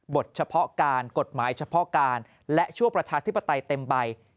เฉพาะการกฎหมายเฉพาะการและชั่วประชาธิปไตยเต็มใบ